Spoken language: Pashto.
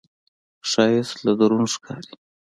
ښایست له درون ښکاري